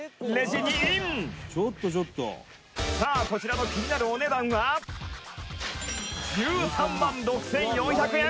清水：「さあ、こちらの気になるお値段は１３万６４００円」